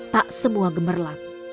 tak semua gemerlap